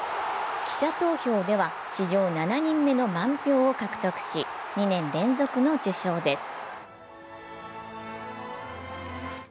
記者投票では史上７人目の満票を獲得し、２年連続の受賞です。